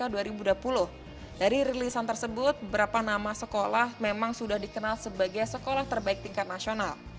dari rilisan tersebut berapa nama sekolah memang sudah dikenal sebagai sekolah terbaik tingkat nasional